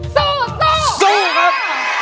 สู้สู้สู้สู้ครับ